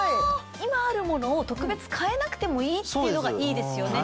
今あるものを特別替えなくてもいいっていうのがいいですよね。